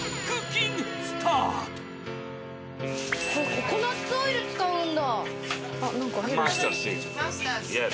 ココナツオイル使うんだ。